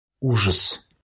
Ужас!